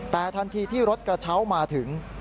แต่ทันทีที่รถกระเช้ามาถึง